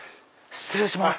失礼します。